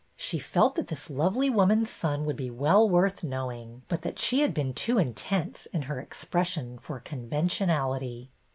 She felt that this lovely woman's son would be well worth knowing, but that she had been too intense in her expression for conventionality.